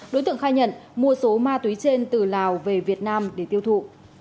đối tượng khai nhận mua số ma túy trên từ lào về việt nam để tiêu thụ